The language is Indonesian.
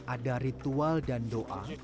ada ritual dan doa